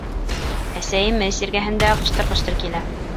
Әсәйем мейес эргәһендә ҡыштыр-ҡыштыр килә.